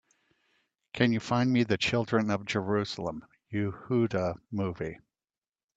Can you find me the Children of Jerusalem: Yehuda movie?